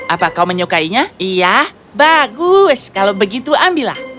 apa kau menyukainya iya bagus kalau begitu ambillah